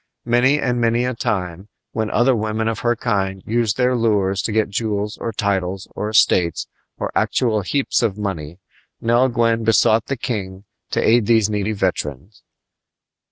Many and many a time, when other women of her kind used their lures to get jewels or titles or estates or actual heaps of money, Nell Gwyn besought the king to aid these needy veterans.